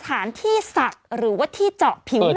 สถานที่ศักดิ์หรือที่เจาะผิวหนัง